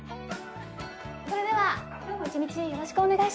それでは今日も一日よろしくお願いします。